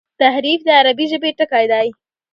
تحریف د عربي ژبي ټکی دﺉ.